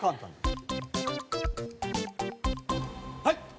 はい！